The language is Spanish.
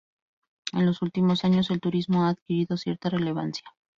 En los últimos años el turismo ha adquirido cierta relevancia.